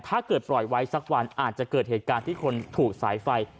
ถ้าเกิดปล่อยไว้สักวันอาจจะเกิดเหตุการณ์ที่คนถูกสายไฟ